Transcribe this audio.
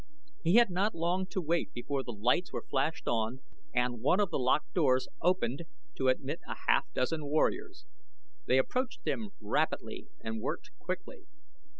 He had not long to wait before the lights were flashed on and one of the locked doors opened to admit a half dozen warriors. They approached him rapidly and worked quickly.